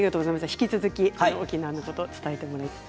引き続き沖縄のことも伝えてください。